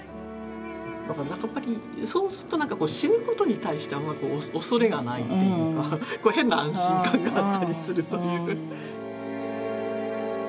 そうすると死ぬことに対してあまり恐れがないっていうか変な安心感があったりするという。